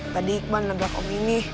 tadi iqbal nabrak om ini